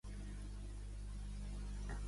Però el poder francès fou de curta durada.